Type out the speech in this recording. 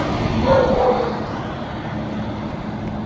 En la "Odisea", gana en el lanzamiento de disco.